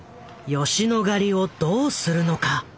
吉野ヶ里をどうするのか。